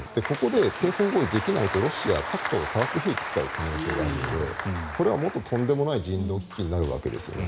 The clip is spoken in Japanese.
ここで停戦合意できないとロシアは核とか化学兵器を使う可能性があるのでこれはもっととんでもない人道危機になるわけです。